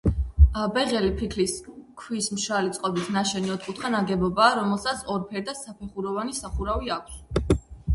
ბეღელი ფიქლის ქვის მშრალი წყობით ნაშენი ოთხკუთხა ნაგებობაა, რომელსაც ორფერდა საფეხუროვანი სახურავი აქვს.